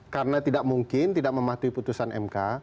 karena tidak mungkin tidak mematuhi putusan mk